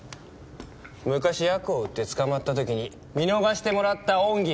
昔ヤクを売って捕まった時に見逃してもらった恩義がある。